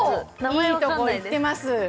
いいとこいってます